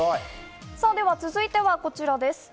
では続いてはこちらです。